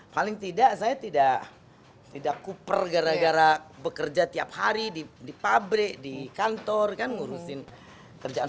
paling tidak saya tidak kuper gara gara bekerja tiap hari di pabrik di kantor kan ngurusin kerjaan